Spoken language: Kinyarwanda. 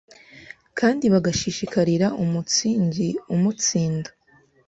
kandi bagashishikarira umunsigiumunsinda